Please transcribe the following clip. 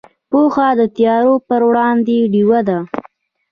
پوهه د تیارو پر وړاندې ډیوه ده.